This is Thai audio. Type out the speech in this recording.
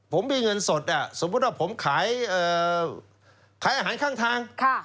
ผมมีเงินสดสมมุติว่าผมขายอาหารข้างทาง